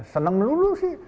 senang melulu sih